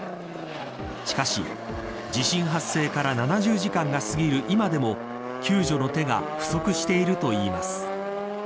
しかし、地震発生から７０時間が過ぎる今でも救助の手が不足しているといいます。